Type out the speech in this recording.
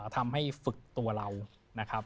ทำให้ฝึกตัวเรา